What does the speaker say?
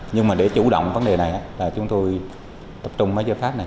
nhưng mà để chủ động vấn đề này chúng tôi tập trung mái giải pháp này